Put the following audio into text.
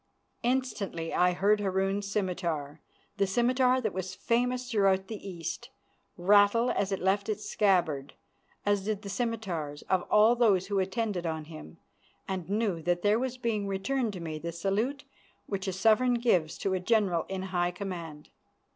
Instantly I heard Harun's scimitar, the scimitar that was famous throughout the East, rattle as it left its scabbard, as did the scimitars of all those who attended on him, and knew that there was being returned to me the salute which a sovereign gives to a general in high command.